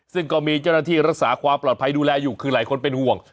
ซึ่งก็มีเจ้าหน้าที่รักษาความปลอดภัยดูแลอยู่คือหลายคนเป็นห่วง